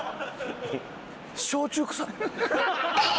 焼酎くさっ！